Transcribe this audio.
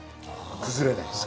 崩れないんですか？